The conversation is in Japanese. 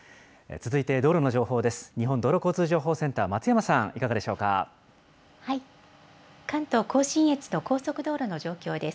続いて、道路の情報です。